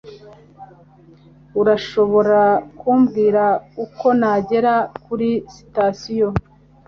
Urashobora kumbwira uko nagera kuri sitasiyo?